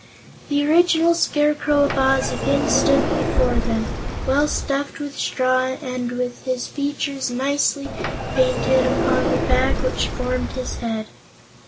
The original Scarecrow of Oz again stood before them, well stuffed with straw and with his features nicely painted upon the bag which formed his head.